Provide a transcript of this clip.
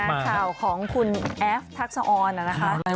กลับมาข่าวของคุณแอฟทักษออนนะครับ